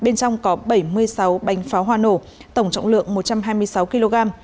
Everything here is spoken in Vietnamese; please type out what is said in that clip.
nó có bảy mươi sáu bánh pháo hoa nổ tổng trọng lượng một trăm hai mươi sáu kg